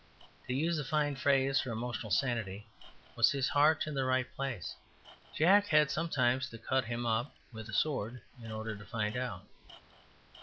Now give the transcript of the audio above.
To use a fine phrase for emotional sanity, was his heart in the right place? Jack had sometimes to cut him up with a sword in order to find out.